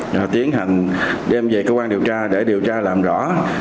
và tiến hành đem về cơ quan điều tra để điều tra làm rõ